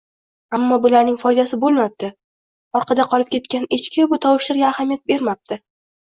Ammo bularning foydasi bo‘lmabdi: orqada qolib ketgan Echki bu tovushlarga ahamiyat bermabdi